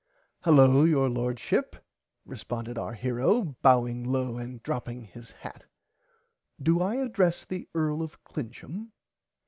Hullo your Lord Ship responded our hero bowing low and dropping his top hat do I adress the Earl of Clincham.